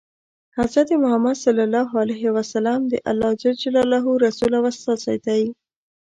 حضرت محمد ﷺ د الله ﷻ رسول او استازی دی.